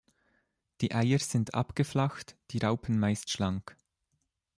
Die Eier sind abgeflacht, die Raupen meist schlank.